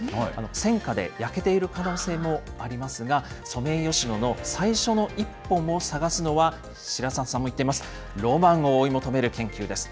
戦禍で焼けている可能性もありますが、ソメイヨシノの最初の１本を探すのは、白澤さんも言ってます、ロマンを追い求める研究です。